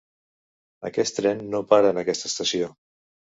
Aquest tren no para en aquesta estació.